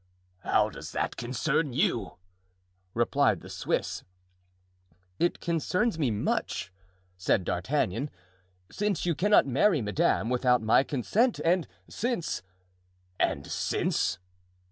"How does that concern you?" replied the Swiss. "It concerns me much," said D'Artagnan, "since you cannot marry madame without my consent and since——" "And since?"